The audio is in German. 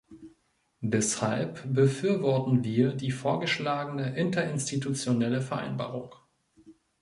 Deshalb befürworten wir die vorgeschlagene interinstitutionelle Vereinbarung.